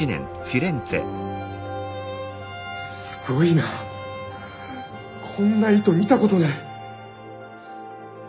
すごいなこんな糸見たことない。